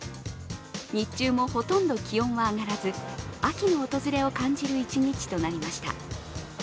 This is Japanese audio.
日中もほとんど気温は上がらず秋の訪れを感じる一日となりました。